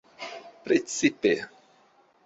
precipe